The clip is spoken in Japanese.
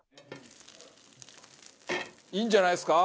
いいんじゃないですか？